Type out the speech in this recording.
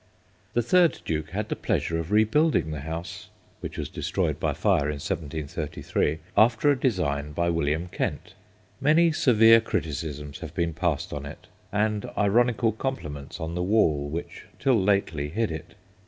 The third Duke had the pleasure of re building the house, which was destroyed by fire in 1733, after a design by William Kent. Many severe criticisms have been passed on it, and ironical compliments on the wall which till lately hid it.